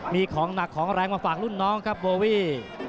มีของหนักของแรงมาฝากรุ่นน้องครับโบวี่